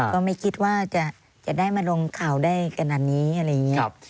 ก็ไม่คิดว่าจะได้มาลงข่าวได้ขนาดนี้อะไรอย่างนี้